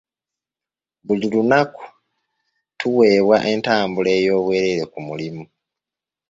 Buli lunaku tuweebwa entambula ey'obwereere ku mulimu.